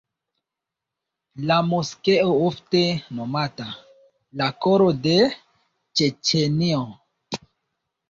La moskeo ofte nomata "la koro de Ĉeĉenio".